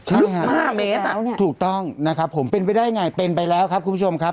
ใช่ค่ะ๕เมตรถูกต้องนะครับผมเป็นไปได้ไงเป็นไปแล้วครับคุณผู้ชมครับ